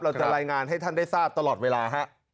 เราจะรายงานให้ท่านได้ทราบตลอดเวลาฮะ